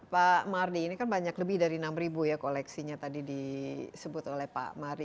pak mardi ini kan banyak lebih dari enam ribu ya koleksinya tadi disebut oleh pak mari